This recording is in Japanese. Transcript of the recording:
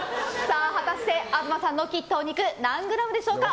果たして東さんの切ったお肉何グラムでしょうか。